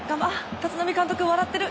立浪監督、笑ってる。